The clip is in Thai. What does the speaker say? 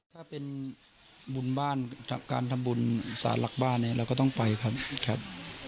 ถ้าเป็นบุญบ้านการทำบุญสารหลักบ้านเนี่ยเราก็ต้องไปครับครับ